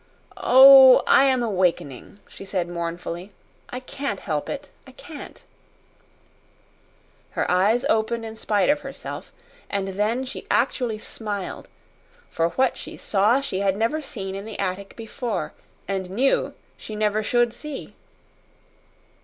"Oh, I am awakening," she said mournfully. "I can't help it I can't." Her eyes opened in spite of herself. And then she actually smiled for what she saw she had never seen in the attic before, and knew she never should see.